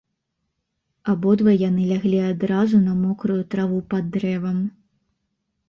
Абодва яны ляглі адразу на мокрую траву пад дрэвам.